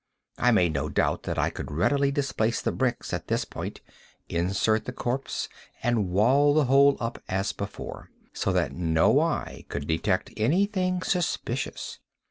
I made no doubt that I could readily displace the bricks at this point, insert the corpse, and wall the whole up as before, so that no eye could detect any thing suspicious.